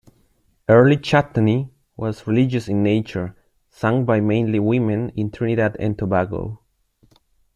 Early chutney was religious in nature sung by mainly women in Trinidad and Tobago.